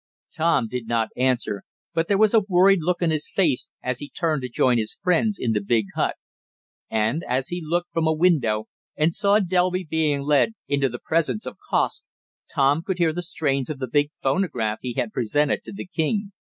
Tom did not answer, but there was a worried look on his face, as he turned to join his friends in the big hut. And, as he looked from a window, and saw Delby being led into the presence of Kosk, Tom could hear the strains of the big phonograph he had presented to the king.